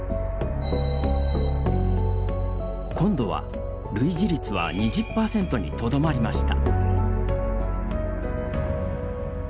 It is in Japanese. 今度は、類似率は２０％にとどまりました。